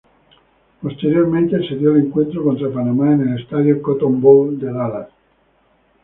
Posteriormente se dio el encuentro contra Panamá en el Estadio Cotton Bowl de Dallas.